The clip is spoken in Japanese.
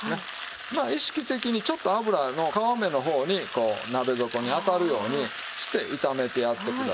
まあ意識的にちょっと油の皮目の方にこう鍋底に当たるようにして炒めてやってください。